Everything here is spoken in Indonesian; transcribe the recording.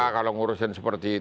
kalau ngurusin seperti itu